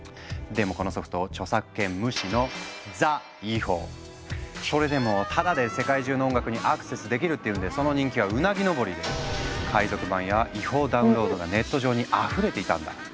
でもこのソフト著作権無視のそれでもタダで世界中の音楽にアクセスできるっていうんでその人気はうなぎ登りで海賊版や違法ダウンロードがネット上にあふれていたんだ。